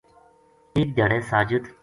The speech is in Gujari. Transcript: ایک دھیاڑے ساجد